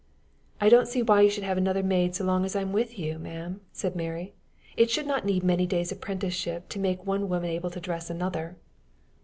"I do not see why you should have another maid so long as I am with you, ma'am," said Mary. "It should not need many days' apprenticeship to make one woman able to dress another."